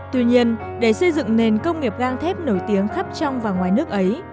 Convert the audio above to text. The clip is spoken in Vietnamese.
tuy nhiên để xây dựng nền công nghiệp gang thép nổi tiếng khắp trong và ngoài nước ấy